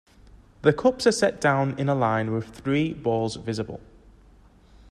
The cups are set down in a line with three balls visible.